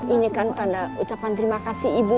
ini kan tanda ucapan terima kasih ibu